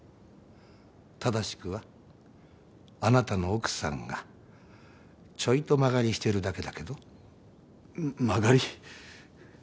正しくはあなたの奥さんがちょいと間借りしてるだけだけど間借り？